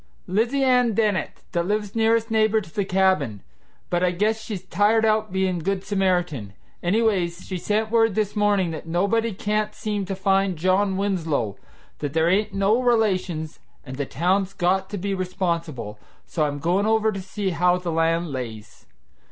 "Lizy Ann Dennett, that lives nearest neighbor to the cabin; but I guess she's tired out bein' good Samaritan. Anyways, she sent word this mornin' that nobody can't seem to find John Winslow; that there ain't no relations, and the town's got to be responsible, so I'm goin' over to see how the land lays.